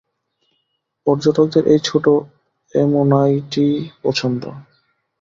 পর্যটকদের এই ছোটো অ্যামোনাইটই পছন্দ।